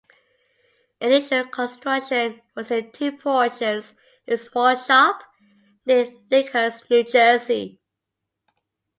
Initial construction was in two portions, in a small shop near Lakehurst, New Jersey.